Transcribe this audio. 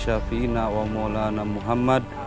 tapi enggak acabar